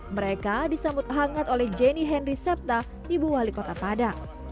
mereka disambut hangat oleh jenny henry septa ibu wali kota padang